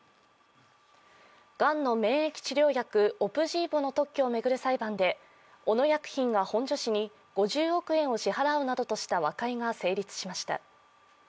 がんの免疫治療薬・オプジーボの特許を巡る裁判で小野薬品が本庶氏に５０億円を支払うなどとした和解が成立しました。